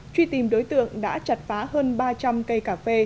truy tìm đối tượng đã chặt phá hơn ba trăm linh cây cà phê